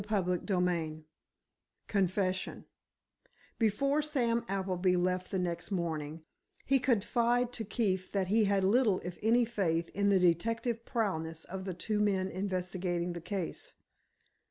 CHAPTER VIII CONFESSION Before Sam Appleby left the next morning, he confided to Keefe that he had little if any faith in the detective prowess of the two men investigating the case.